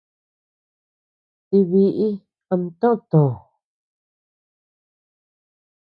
Ti biʼi ama toʼö too.